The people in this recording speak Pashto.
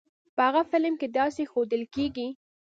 په هغه فلم کې داسې ښودل کېږی.